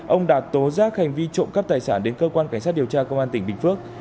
ông đạt tố giác hành vi trộm cắp tài sản đến cơ quan cảnh sát điều tra công an tỉnh bình phước